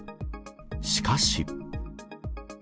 しかし。